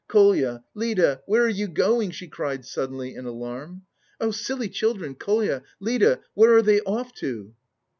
Kolya, Lida, where are you going?" she cried suddenly in alarm. "Oh, silly children! Kolya, Lida, where are they off to?..."